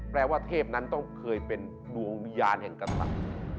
แปลว่าเทพนั้นต้องเคยเป็นดวงยานแห่งกระตัด